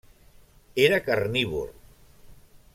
Era carnívor.